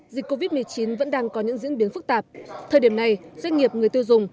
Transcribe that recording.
dịch covid một mươi chín vẫn đang có những diễn biến phức tạp thời điểm này doanh nghiệp người tiêu dùng